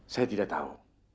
saya tidak tahu